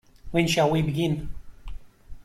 When shall we begin?